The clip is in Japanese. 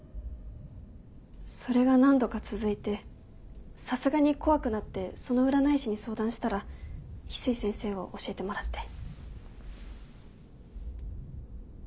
それが何度か続いてさすがに怖くなってその占い師に相談したら翡翠先生を教えてもらって。